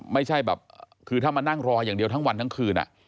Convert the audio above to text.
ไม่ใช่แบบคือถ้ามานั่งรออย่างเดียวทั้งวันทั้งคืน